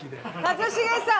一茂さん！